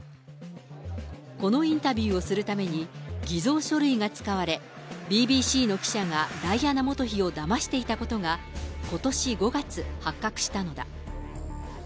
このインタビューをするために、偽造書類が使われ、ＢＢＣの記者がダイアナ元妃をだましていたことが、ことし５月発覚したのだ。